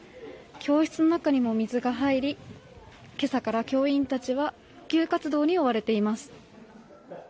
教室の中にも水が入り今朝から教員たちは復旧活動に追われています。